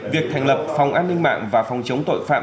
việc thành lập phòng an ninh mạng và phòng chống tội phạm